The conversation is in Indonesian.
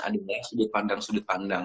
adik adik yang sudut pandang